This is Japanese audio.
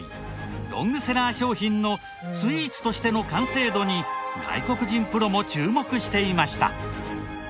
ロングセラー商品のスイーツとしての完成度に外国人プロも注目していました。